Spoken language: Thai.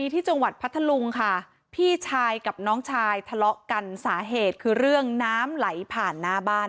ที่จังหวัดพัทธลุงค่ะพี่ชายกับน้องชายทะเลาะกันสาเหตุคือเรื่องน้ำไหลผ่านหน้าบ้าน